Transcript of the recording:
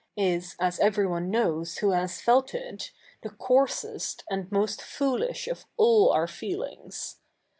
is, as everyone knows who has felt it., the coarsest and most foolish of all our feelings.